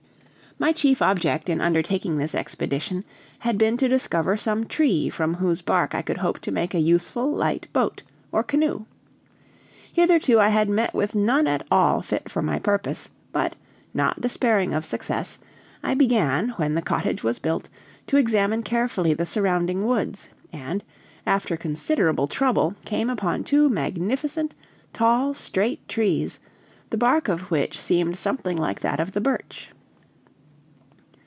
My chief object in undertaking this expedition had been to discover some tree from whose bark I could hope to make a useful light boat or canoe. Hitherto I had met with none at all fit for my purpose, but, not despairing of success, I began, when the cottage was built, to examine carefully the surrounding woods, and, after considerable trouble, came upon two magnificent, tall, straight trees, the bark of which seemed something like that of the birch.